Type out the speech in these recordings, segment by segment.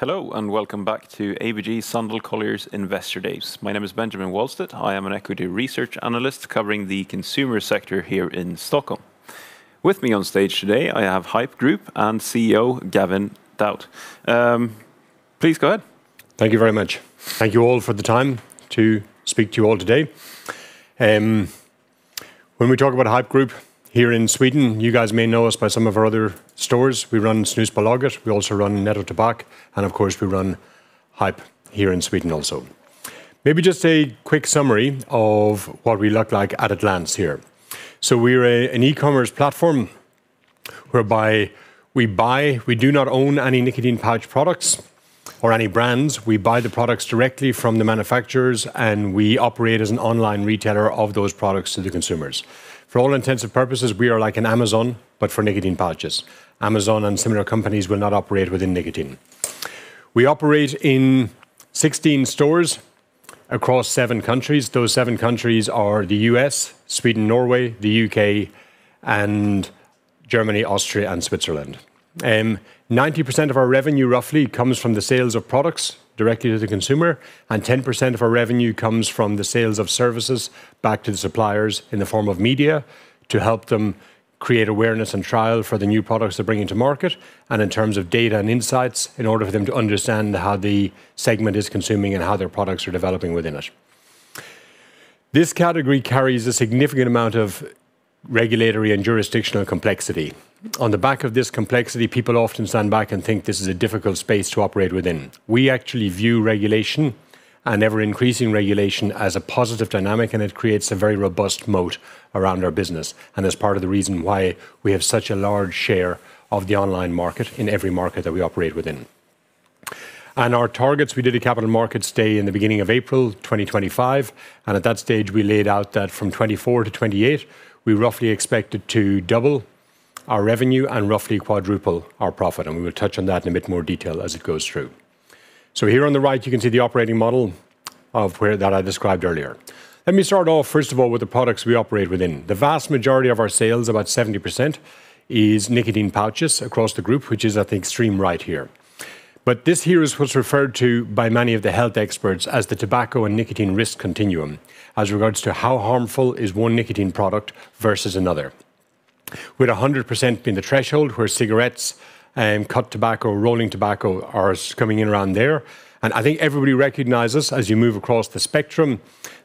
Hello, welcome back to ABG Sundal Collier's Investor Days. My name is Benjamin Wahlstedt. I am an Equity Research Analyst covering the consumer sector here in Stockholm. With me on stage today, I have Haypp Group and CEO, Gavin O'Dowd. Please go ahead. Thank you very much. Thank you all for the time to speak to you all today. When we talk about Haypp Group here in Sweden, you guys may know us by some of our other stores. We run Snusbolaget, we also run Nettotobak, and of course, we run Haypp here in Sweden also. Maybe just a quick summary of what we look like at a glance here. We are an e-commerce platform whereby we buy, we do not own any nicotine pouch products or any brands. We buy the products directly from the manufacturers, and we operate as an online retailer of those products to the consumers. For all intents and purposes, we are like an Amazon, but for nicotine pouches. Amazon and similar companies will not operate within nicotine. We operate in 16 stores across seven countries. Those seven countries are the U.S., Sweden, Norway, the U.K., and Germany, Austria, and Switzerland. 90% of our revenue roughly comes from the sales of products directly to the consumer. 10% of our revenue comes from the sales of services back to the suppliers in the form of media to help them create awareness and trial for the new products they're bringing to market, and in terms of data and insights, in order for them to understand how the segment is consuming and how their products are developing within it. This category carries a significant amount of regulatory and jurisdictional complexity. On the back of this complexity, people often stand back and think this is a difficult space to operate within. We actually view regulation and ever-increasing regulation as a positive dynamic, and it creates a very robust moat around our business, and is part of the reason why we have such a large share of the online market in every market that we operate within. Our targets, we did a Capital Markets Day stay in the beginning of April 2025, and at that stage, we laid out that from 2024-2028, we roughly expected to double our revenue and roughly quadruple our profit, and we will touch on that in a bit more detail as it goes through. Here on the right, you can see the operating model of where that I described earlier. Let me start off, first of all, with the products we operate within. The vast majority of our sales, about 70%, is nicotine pouches across the group, which is at the extreme right here. This here is what's referred to by many of the health experts as the tobacco and nicotine risk continuum, as regards to how harmful is one nicotine product versus another. With 100% being the threshold, where cigarettes and cut tobacco, rolling tobacco are coming in around there. I think everybody recognizes, as you move across the spectrum,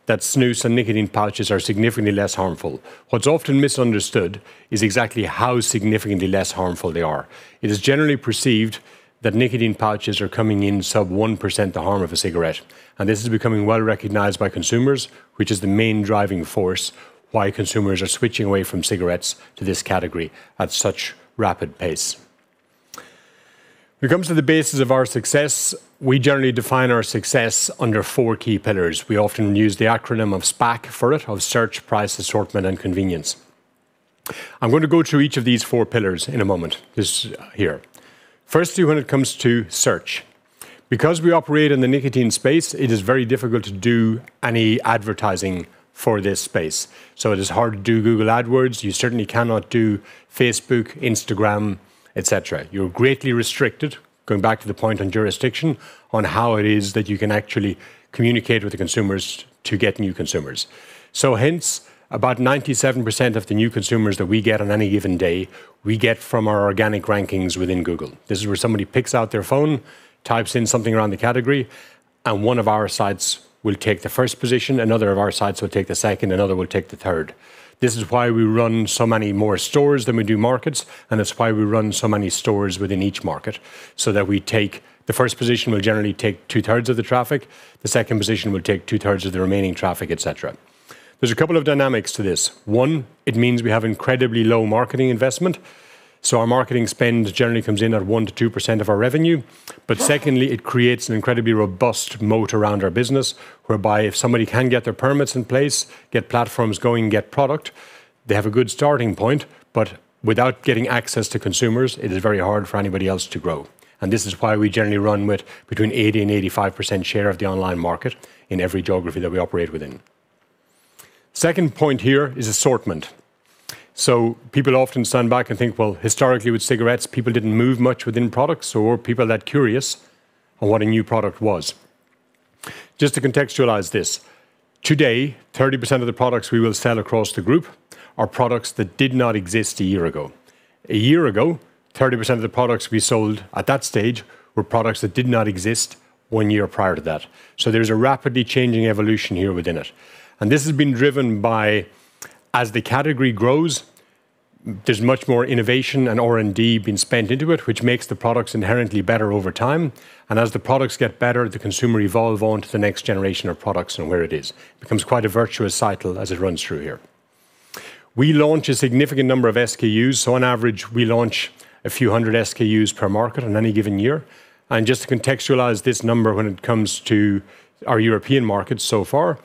that snus and nicotine pouches are significantly less harmful. What's often misunderstood is exactly how significantly less harmful they are. It is generally perceived that nicotine pouches are coming in sub 1% the harm of a cigarette. This is becoming well-recognized by consumers, which is the main driving force why consumers are switching away from cigarettes to this category at such rapid pace. When it comes to the basis of our success, we generally define our success under four key pillars. We often use the acronym of SPAC for it, of search, price, assortment, and convenience. I'm going to go through each of these four pillars in a moment. When it comes to search. Because we operate in the nicotine space, it is very difficult to do any advertising for this space. It is hard to do Google Ads. You certainly cannot do Facebook, Instagram, et cetera. You're greatly restricted, going back to the point on jurisdiction, on how it is that you can actually communicate with the consumers to get new consumers. Hence, about 97% of the new consumers that we get on any given day, we get from our organic rankings within Google. This is where somebody picks out their phone, types in something around the category, and one of our sites will take the first position, another of our sites will take the second, another will take the third. This is why we run so many more stores than we do markets, and it's why we run so many stores within each market, so that we take the first position will generally take 2/3 of the traffic, the second position will take 2/3 of the remaining traffic, et cetera. There's a couple of dynamics to this. One, it means we have incredibly low marketing investment, so our marketing spend generally comes in at 1%-2% of our revenue. Secondly, it creates an incredibly robust moat around our business, whereby if somebody can get their permits in place, get platforms going, get product, they have a good starting point, but without getting access to consumers, it is very hard for anybody else to grow. This is why we generally run with between 80% and 85% share of the online market in every geography that we operate within. Second point here is assortment. People often stand back and think, well, historically with cigarettes, people didn't move much within products, or people are that curious on what a new product was. Just to contextualize this, today, 30% of the products we will sell across the Group are products that did not exist a year ago. A year ago, 30% of the products we sold at that stage were products that did not exist one year prior to that. There's a rapidly changing evolution here within it. This has been driven by, as the category grows, there's much more innovation and R&D being spent into it, which makes the products inherently better over time. As the products get better, the consumer evolve onto the next generation of products and where it is. It becomes quite a virtuous cycle as it runs through here. We launch a significant number of SKUs. On average, we launch a few hundred SKUs per market on any given year. Just to contextualize this number when it comes to our European markets so far,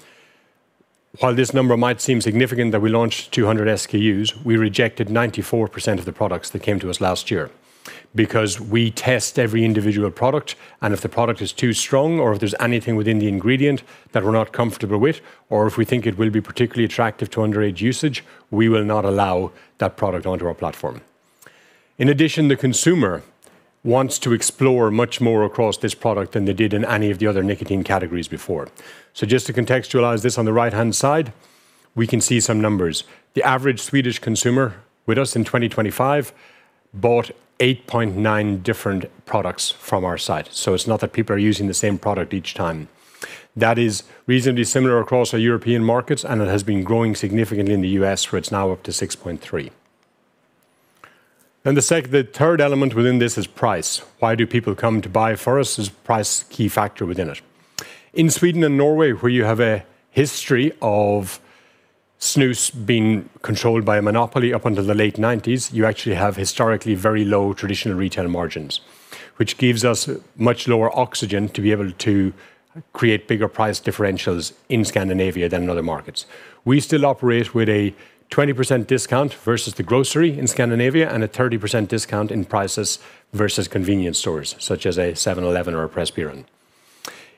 while this number might seem significant that we launched 200 SKUs, we rejected 94% of the products that came to us last year. We test every individual product, and if the product is too strong or if there is anything within the ingredient that we are not comfortable with, or if we think it will be particularly attractive to underage usage, we will not allow that product onto our platform. In addition, the consumer wants to explore much more across this product than they did in any of the other nicotine categories before. Just to contextualize this, on the right-hand side, we can see some numbers. The average Swedish consumer with us in 2025 bought 8.9 different products from our site. It's not that people are using the same product each time. That is reasonably similar across our European markets, and it has been growing significantly in the U.S., where it's now up to 6.3. The third element within this is price. Why do people come to buy from us? Is price a key factor within it? In Sweden and Norway, where you have a history of snus being controlled by a monopoly up until the late 1990s, you actually have historically very low traditional retail margins, which gives us much lower oxygen to be able to create bigger price differentials in Scandinavia than in other markets. We still operate with a 20% discount versus the grocery in Scandinavia and a 30% discount in prices versus convenience stores, such as a 7-Eleven or a Pressbyrån.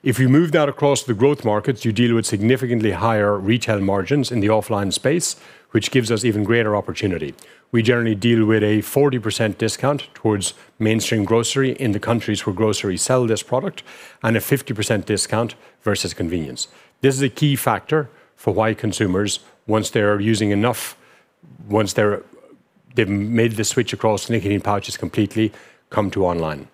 If you move that across the growth markets, you deal with significantly higher retail margins in the offline space, which gives us even greater opportunity. We generally deal with a 40% discount towards mainstream grocery in the countries where groceries sell this product, and a 50% discount versus convenience. This is a key factor for why consumers, once they're using enough, once they've made the switch across nicotine pouches completely, come to online.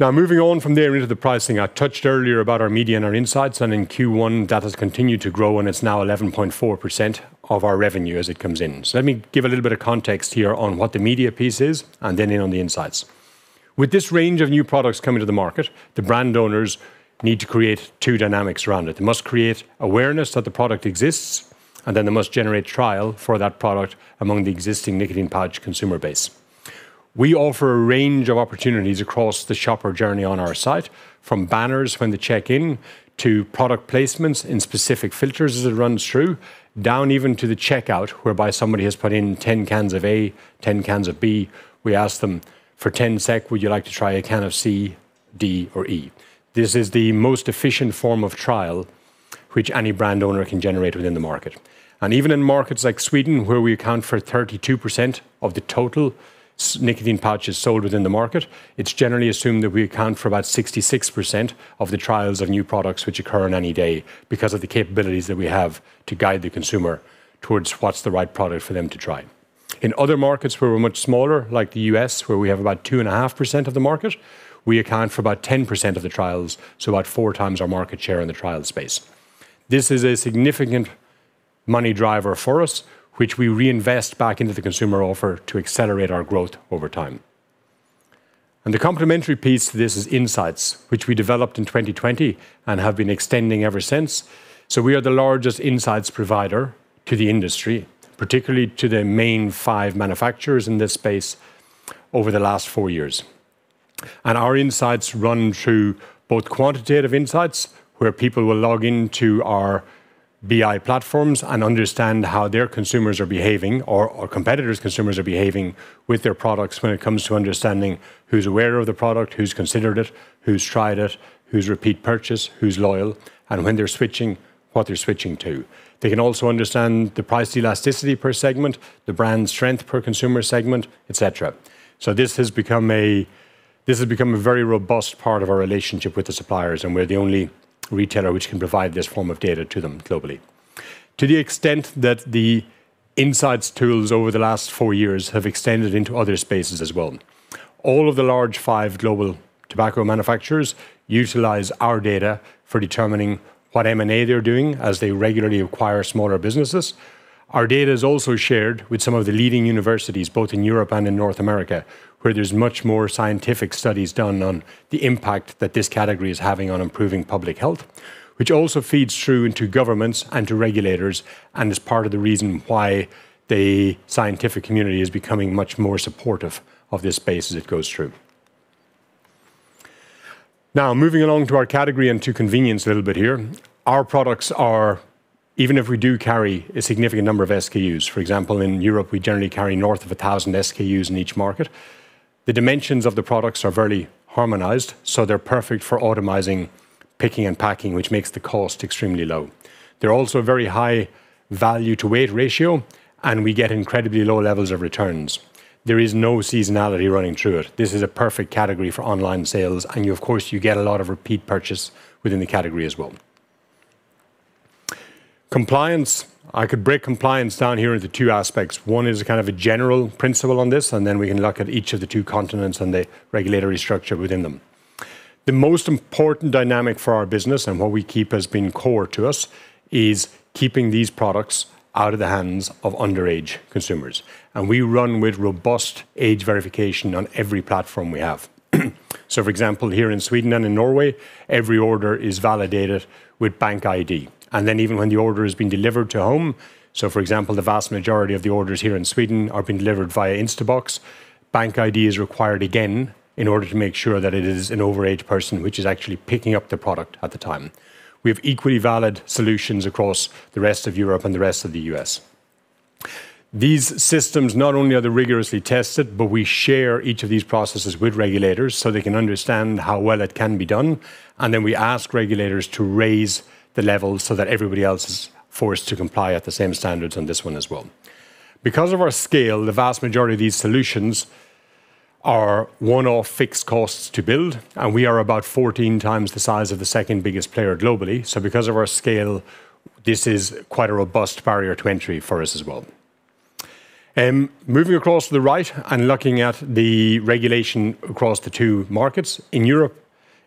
Moving on from there into the pricing. I touched earlier about our Media & Insights, and in Q1, that has continued to grow, and it's now 11.4% of our revenue as it comes in. Let me give a little bit of context here on what the Media piece is, and then in on the Insights. With this range of new products coming to the market, the brand owners need to create two dynamics around it. They must create awareness that the product exists, and then they must generate trial for that product among the existing nicotine pouch consumer base. We offer a range of opportunities across the shopper journey on our site, from banners when they check in, to product placements in specific filters as it runs through, down even to the checkout, whereby somebody has put in 10 cans of A, 10 cans of B. We ask them, "For 10 SEK, would you like to try a can of C, D, or E?" This is the most efficient form of trial which any brand owner can generate within the market. Even in markets like Sweden, where we account for 32% of the total nicotine pouches sold within the market, it's generally assumed that we account for about 66% of the trials of new products which occur on any day because of the capabilities that we have to guide the consumer towards what's the right product for them to try. In other markets where we're much smaller, like the U.S., where we have about 2.5% of the market, we account for about 10% of the trials, so about four times our market share in the trial space. This is a significant money driver for us, which we reinvest back into the consumer offer to accelerate our growth over time. The complementary piece to this is Insights, which we developed in 2020 and have been extending ever since. We are the largest Insights provider to the industry, particularly to the main five manufacturers in this space over the last four years. Our insights run through both quantitative insights, where people will log into our BI platforms and understand how their consumers are behaving, or competitors' consumers are behaving with their products when it comes to understanding who's aware of the product, who's considered it, who's tried it, who's repeat purchase, who's loyal, and when they're switching, what they're switching to. They can also understand the price elasticity per segment, the brand strength per consumer segment, et cetera. This has become a very robust part of our relationship with the suppliers, and we're the only retailer which can provide this form of data to them globally. To the extent that the insights tools over the last four years have extended into other spaces as well. All of the large five global tobacco manufacturers utilize our data for determining what M&A they're doing as they regularly acquire smaller businesses. Our data is also shared with some of the leading universities, both in Europe and in North America, where there's much more scientific studies done on the impact that this category is having on improving public health, which also feeds through into governments and to regulators, and is part of the reason why the scientific community is becoming much more supportive of this space as it goes through. Moving along to our category and to convenience a little bit here. Our products are, even if we do carry a significant number of SKUs, for example, in Europe, we generally carry north of 1,000 SKUs in each market. The dimensions of the products are very harmonized, so they're perfect for automizing, picking, and packing, which makes the cost extremely low. They're also a very high value-to-weight ratio, and we get incredibly low levels of returns. There is no seasonality running through it. This is a perfect category for online sales. Of course, you get a lot of repeat purchase within the category as well. Compliance. I could break compliance down here into two aspects. One is a kind of a general principle on this. Then we can look at each of the two continents and the regulatory structure within them. The most important dynamic for our business, what we keep as being core to us, is keeping these products out of the hands of underage consumers. We run with robust age verification on every platform we have. For example, here in Sweden and in Norway, every order is validated with BankID. Then even when the order is being delivered to home, for example, the vast majority of the orders here in Sweden are being delivered via Instabox. BankID is required again in order to make sure that it is an overage person which is actually picking up the product at the time. We have equally valid solutions across the rest of Europe and the rest of the U.S. These systems not only are they rigorously tested, but we share each of these processes with regulators so they can understand how well it can be done. We ask regulators to raise the level so that everybody else is forced to comply at the same standards on this one as well. Because of our scale, the vast majority of these solutions are one-off fixed costs to build, and we are about 14x the size of the second biggest player globally. Because of our scale, this is quite a robust barrier to entry for us as well. Moving across to the right and looking at the regulation across the two markets. In Europe,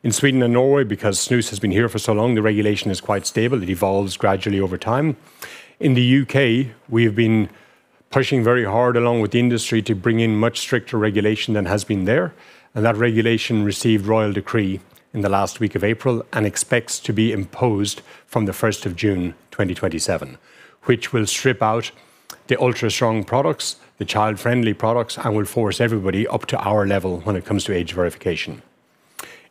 in Sweden and Norway, because snus has been here for so long, the regulation is quite stable. It evolves gradually over time. In the U.K., we have been pushing very hard along with the industry to bring in much stricter regulation than has been there, and that regulation received royal decree in the last week of April and expects to be imposed from the 1st of June 2027, which will strip out the ultra-strong products, the child-friendly products, and will force everybody up to our level when it comes to age verification.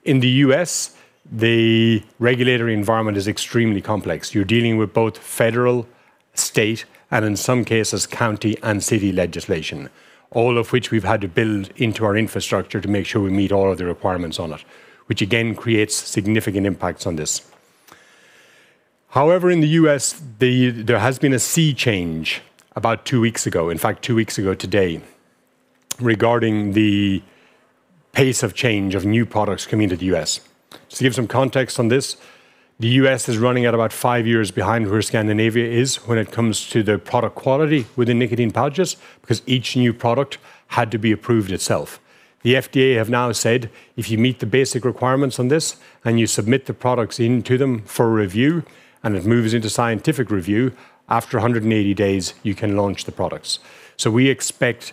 In the U.S., the regulatory environment is extremely complex. You're dealing with both federal, state, and in some cases, county and city legislation, all of which we've had to build into our infrastructure to make sure we meet all of the requirements on it, which again, creates significant impacts on this. However, in the U.S., there has been a sea change about two weeks ago, in fact, two weeks ago today, regarding the pace of change of new products coming to the U.S. Just to give some context on this, the U.S. is running at about five years behind where Scandinavia is when it comes to the product quality within nicotine pouches because each new product had to be approved itself. The FDA have now said if you meet the basic requirements on this and you submit the products into them for review and it moves into scientific review, after 180 days, you can launch the products. We expect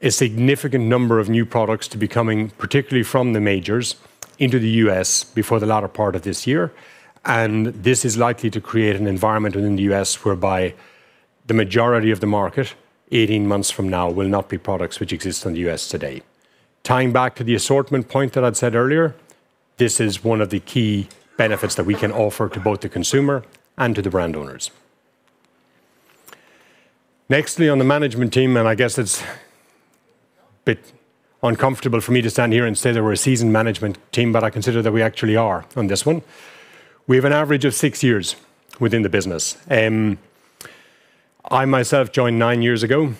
a significant number of new products to be coming, particularly from the majors, into the U.S. before the latter part of this year, and this is likely to create an environment within the U.S. whereby the majority of the market 18 months from now will not be products which exist in the U.S. today. Tying back to the assortment point that I'd said earlier, this is one of the key benefits that we can offer to both the consumer and to the brand owners. Nextly, on the management team, I guess it's a bit uncomfortable for me to stand here and say that we're a seasoned management team, I consider that we actually are on this one. We have an average of six years within the business. I myself joined nine years ago.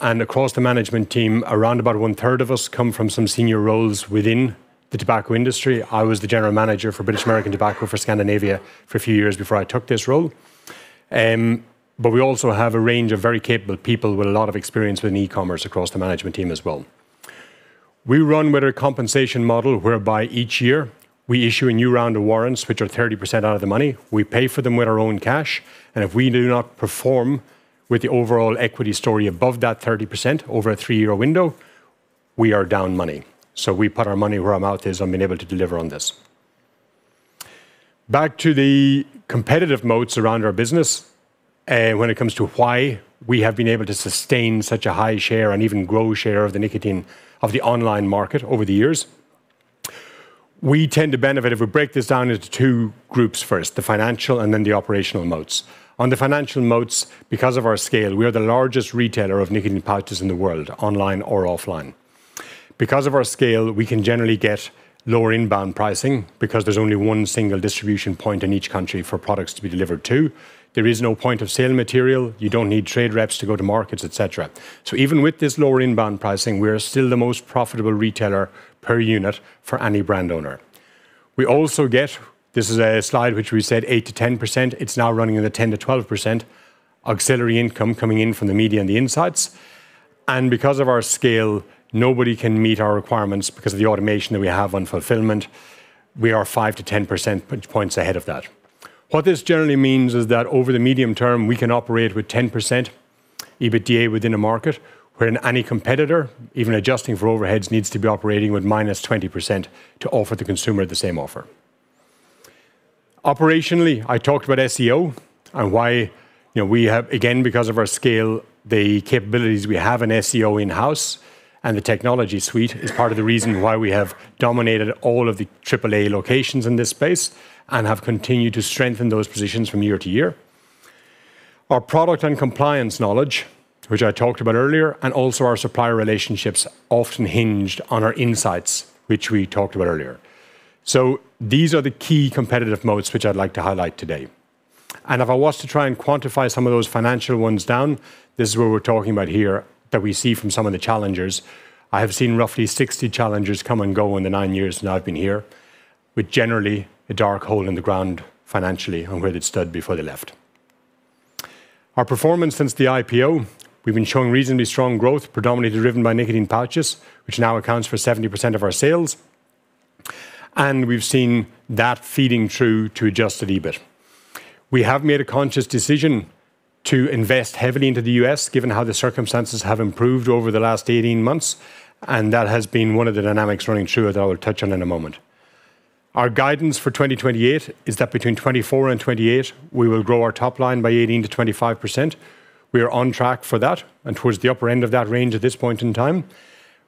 Across the management team, around about one-third of us come from some senior roles within the tobacco industry. I was the general manager for British American Tobacco for Scandinavia for a few years before I took this role. We also have a range of very capable people with a lot of experience with e-commerce across the management team as well. We run with a compensation model whereby each year we issue a new round of warrants, which are 30% out of the money. We pay for them with our own cash. If we do not perform with the overall equity story above that 30% over a three-year window, we are down money. We put our money where our mouth is on being able to deliver on this. Back to the competitive moats around our business when it comes to why we have been able to sustain such a high share and even grow share of the nicotine of the online market over the years. We tend to benefit if we break this down into two groups first, the financial and then the operational moats. On the financial moats, because of our scale, we are the largest retailer of nicotine pouches in the world, online or offline. Because of our scale, we can generally get lower inbound pricing because there's only one single distribution point in each country for products to be delivered to. There is no point-of-sale material. You don't need trade reps to go to markets, et cetera. Even with this lower inbound pricing, we are still the most profitable retailer per unit for any brand owner. We also get, this is a slide which we said 8%-10%, it's now running in the 10%-12%, auxiliary income coming in from the Media & Insights. Because of our scale, nobody can meet our requirements because of the automation that we have on fulfillment. We are 5-10 percentage points ahead of that. What this generally means is that over the medium term, we can operate with 10% EBITDA within a market wherein any competitor, even adjusting for overheads, needs to be operating with -20% to offer the consumer the same offer. Operationally, I talked about SEO. Why we have, again, because of our scale, the capabilities we have in SEO in-house and the technology suite is part of the reason why we have dominated all of the triple A locations in this space and have continued to strengthen those positions from year to year. Our product and compliance knowledge, which I talked about earlier. Also our supplier relationships often hinged on our insights, which we talked about earlier. These are the key competitive moats which I'd like to highlight today. If I was to try and quantify some of those financial ones down, this is where we're talking about here that we see from some of the challengers. I have seen roughly 60 challengers come and go in the nine years now I've been here, with generally a dark hole in the ground financially on where they'd stood before they left. Our performance since the IPO, we've been showing reasonably strong growth, predominantly driven by nicotine pouches, which now accounts for 70% of our sales. We've seen that feeding through to adjusted EBIT. We have made a conscious decision to invest heavily into the U.S. given how the circumstances have improved over the last 18 months. That has been one of the dynamics running through that I will touch on in a moment. Our guidance for 2028 is that between 2024 and 2028, we will grow our top line by 18%-25%. We are on track for that and towards the upper end of that range at this point in time.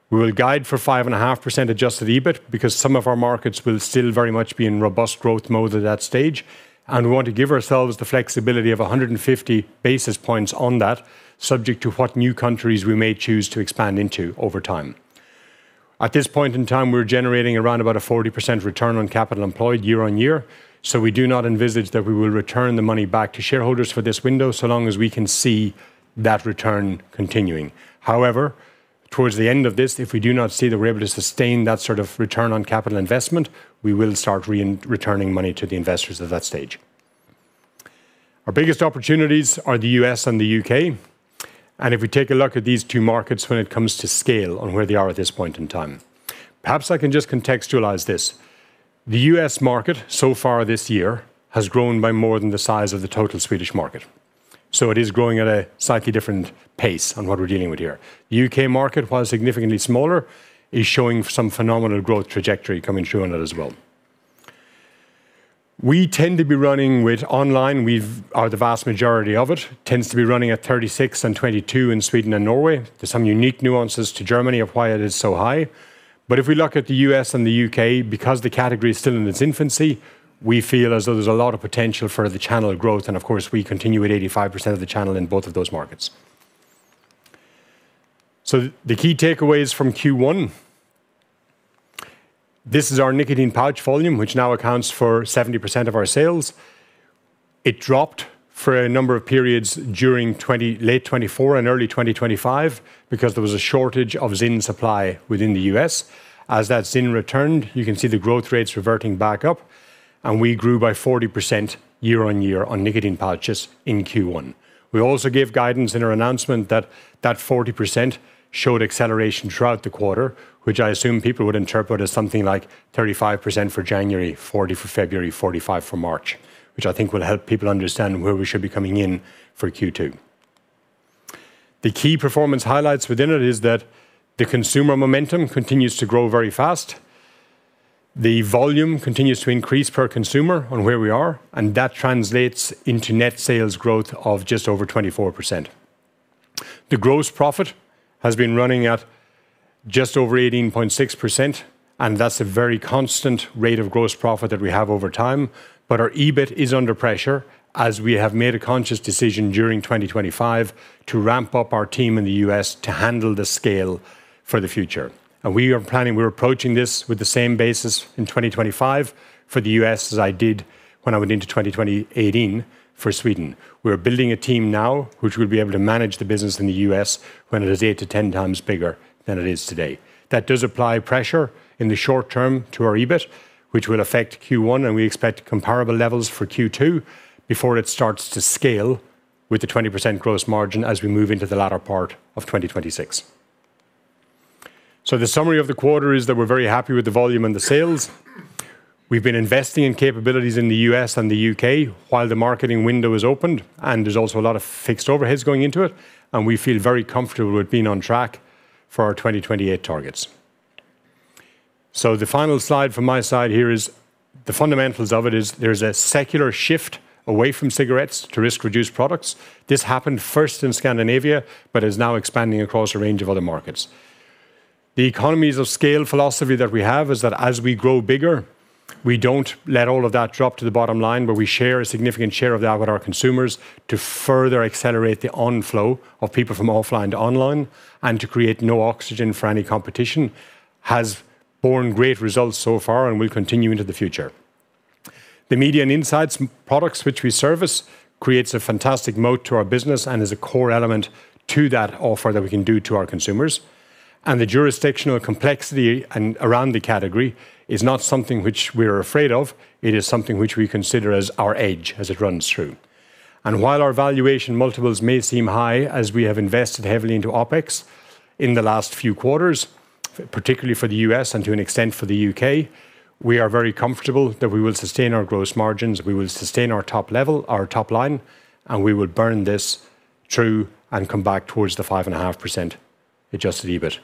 We will guide for 5.5% adjusted EBIT because some of our markets will still very much be in robust growth mode at that stage, and we want to give ourselves the flexibility of 150 basis points on that, subject to what new countries we may choose to expand into over time. At this point in time, we're generating around about a 40% return on capital employed year on year. We do not envisage that we will return the money back to shareholders for this window so long as we can see that return continuing. However, towards the end of this, if we do not see that we're able to sustain that sort of return on capital investment, we will start returning money to the investors at that stage. Our biggest opportunities are the U.S. and the U.K. If we take a look at these two markets when it comes to scale on where they are at this point in time. Perhaps I can just contextualize this. The U.S. market so far this year has grown by more than the size of the total Swedish market. It is growing at a slightly different pace on what we're dealing with here. The U.K. market, while significantly smaller, is showing some phenomenal growth trajectory coming through on it as well. We tend to be running with online, the vast majority of it tends to be running at 36% and 22% in Sweden and Norway. There's some unique nuances to Germany of why it is so high. If we look at the U.S. and the U.K., because the category is still in its infancy, we feel as though there's a lot of potential for the channel growth, and of course, we continue at 85% of the channel in both of those markets. The key takeaways from Q1. This is our nicotine pouches volume, which now accounts for 70% of our sales. It dropped for a number of periods during late 2024 and early 2025 because there was a shortage of ZYN supply within the U.S. As that ZYN returned, you can see the growth rates reverting back up, and we grew by 40% year-on-year on nicotine pouches in Q1. We also gave guidance in our announcement that 40% showed acceleration throughout the quarter, which I assume people would interpret as something like 35% for January, 40% for February, 45% for March, which I think will help people understand where we should be coming in for Q2. The key performance highlights within it is that the consumer momentum continues to grow very fast. The volume continues to increase per consumer on where we are, and that translates into net sales growth of just over 24%. The gross profit has been running at just over 18.6%, and that's a very constant rate of gross profit that we have over time. Our EBIT is under pressure as we have made a conscious decision during 2025 to ramp up our team in the U.S. to handle the scale for the future. We are planning, we're approaching this with the same basis in 2025 for the U.S. as I did when I went into 2018 for Sweden. We're building a team now which will be able to manage the business in the U.S. when it is 8-10 times bigger than it is today. That does apply pressure in the short term to our EBIT, which will affect Q1, and we expect comparable levels for Q2 before it starts to scale with the 20% gross margin as we move into the latter part of 2026. The summary of the quarter is that we're very happy with the volume and the sales. We've been investing in capabilities in the U.S. and the U.K. while the marketing window is opened, and there's also a lot of fixed overheads going into it, and we feel very comfortable with being on track for our 2028 targets. The final slide from my side here is the fundamentals of it is there's a secular shift away from cigarettes to risk-reduced products. This happened first in Scandinavia but is now expanding across a range of other markets. The economies of scale philosophy that we have is that as we grow bigger, we don't let all of that drop to the bottom line, but we share a significant share of that with our consumers to further accelerate the onflow of people from offline to online and to create no oxygen for any competition, has borne great results so far and will continue into the future. The Media & Insights products which we service creates a fantastic moat to our business and is a core element to that offer that we can do to our consumers. The jurisdictional complexity around the category is not something which we're afraid of. It is something which we consider as our edge as it runs through. While our valuation multiples may seem high, as we have invested heavily into OpEx in the last few quarters, particularly for the U.S. and to an extent for the U.K., we are very comfortable that we will sustain our gross margins, we will sustain our top level, our top line, and we will burn this through and come back towards the 5.5% adjusted EBIT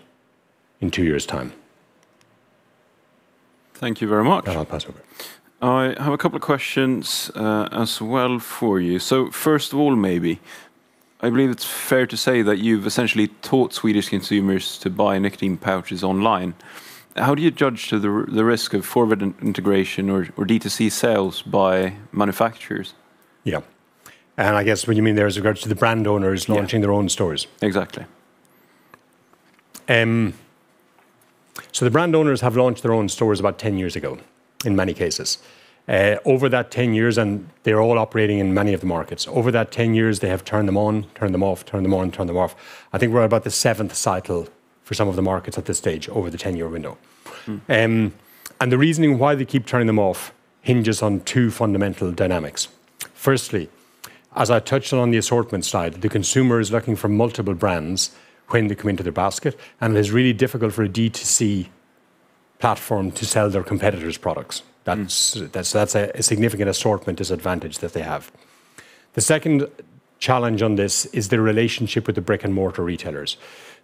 in two years' time. Thank you very much. I'll pass over. I have a couple of questions as well for you. First of all, maybe, I believe it's fair to say that you've essentially taught Swedish consumers to buy nicotine pouches online. How do you judge the risk of forward integration or D2C sales by manufacturers? Yeah. I guess what you mean there is regards to the brand owners launching their own stores. Exactly. The brand owners have launched their own stores about 10 years ago in many cases. Over that 10 years, they're all operating in many of the markets. Over that 10 years, they have turned them on, turned them off, turned them on, turned them off. I think we're at about the seventh cycle for some of the markets at this stage over the 10-year window. The reasoning why they keep turning them off hinges on two fundamental dynamics. Firstly, as I touched on the assortment side, the consumer is looking for multiple brands when they come into their basket, and it is really difficult for a D2C platform to sell their competitors' products. That's a significant assortment disadvantage that they have. The second challenge on this is the relationship with the brick-and-mortar retailers.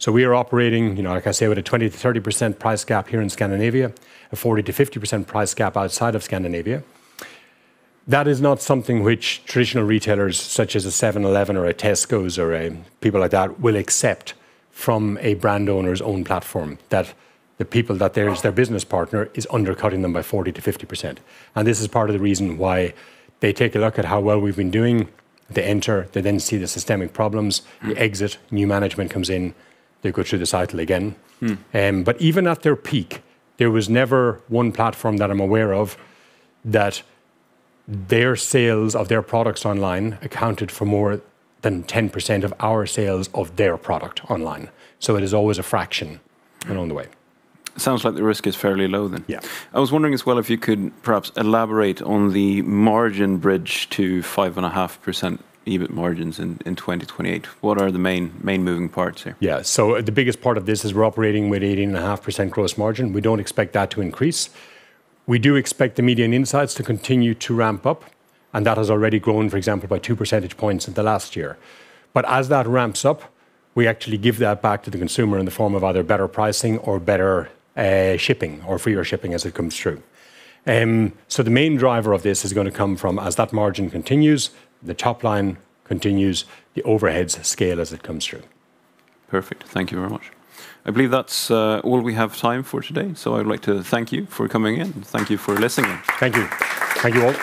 We are operating, like I say, with a 20%-30% price gap here in Scandinavia, a 40%-50% price gap outside of Scandinavia. That is not something which traditional retailers such as a 7-Eleven or a Tesco or people like that will accept from a brand owner's own platform, that the people that there is their business partner is undercutting them by 40%-50%. This is part of the reason why they take a look at how well we've been doing. They enter, they then see the systemic problems. they exit, new management comes in, they go through the cycle again. Even at their peak, there was never one platform that I'm aware of that their sales of their products online accounted for more than 10% of our sales of their product online. It is always a fraction and on the way. Sounds like the risk is fairly low then. Yeah. I was wondering as well if you could perhaps elaborate on the margin bridge to 5.5% EBIT margins in 2028. What are the main moving parts here? Yeah. The biggest part of this is we're operating with 18.5% gross margin. We don't expect that to increase. We do expect the Media & Insights to continue to ramp up, and that has already grown, for example, by 2 percentage points in the last year. As that ramps up, we actually give that back to the consumer in the form of either better pricing or better shipping or free shipping as it comes through. The main driver of this is going to come from as that margin continues, the top line continues, the overheads scale as it comes through. Perfect. Thank you very much. I believe that's all we have time for today. I would like to thank you for coming in. Thank you for listening in. Thank you. Thank you all.